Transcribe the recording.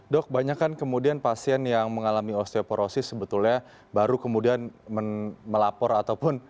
dok banyak kan kemudian pasien yang mengalami osteoporosis sebetulnya baru kemudian melapor ataupun